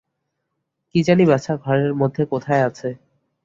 কী জানি বাছা, ঘরের মধ্যে কোথায় আছে।